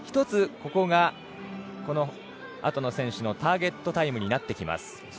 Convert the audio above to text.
１つここが、このあとの選手のターゲットタイムになってきます。